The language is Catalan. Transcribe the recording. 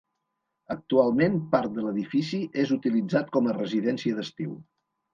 Actualment part de l'edifici és utilitzat com a residència d'estiu.